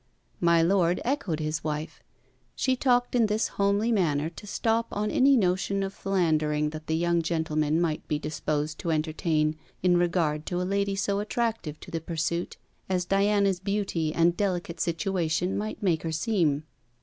My lord echoed his wife. She talked in this homely manner to stop any notion of philandering that the young gentleman might be disposed to entertain in regard to a lady so attractive to the pursuit as Diana's beauty and delicate situation might make her seem.